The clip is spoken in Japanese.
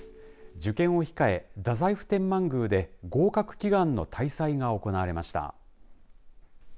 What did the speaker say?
受験を控え太宰府天満宮で合格祈願の大祭が行われました。